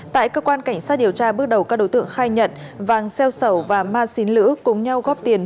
tại cơ quan cảnh sát điều tra bước đầu các đối tượng khai nhận vàng xeo sầu và ma xín lữ cùng nhau góp tiền